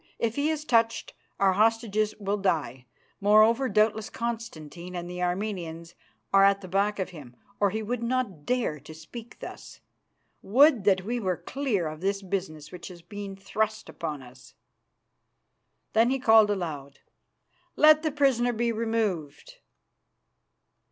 If he is touched, our hostages will die. Moreover, doubtless Constantine and the Armenians are at the back of him, or he would not dare to speak thus. Would that we were clear of this business which has been thrust upon us." Then he called aloud, "Let the prisoner be removed."